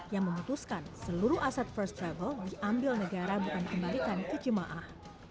yang memutuskan seluruh aset first travel diambil negara bukan dikembalikan ke jemaah